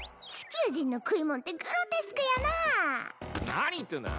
何言ってんだ！